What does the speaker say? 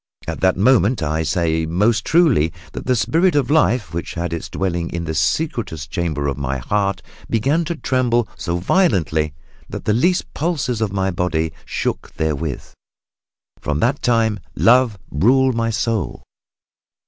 At that moment, I say most truly, that the spirit of life, which hath its dwelling in the secretest chamber of the heart, began to tremble so violently that the least pulses of my body shook therewith. From that time Love ruled my soul."